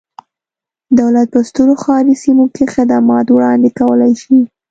دولت په سترو ښاري سیمو کې خدمات وړاندې کولای شي.